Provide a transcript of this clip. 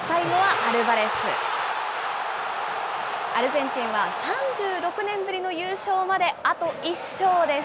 アルゼンチンは３６年ぶりの優勝まで、あと１勝です。